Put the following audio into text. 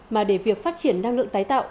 mà để việc phát triển năng lượng tái tạo